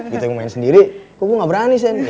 gitu aku main sendiri kok gue gak berani sih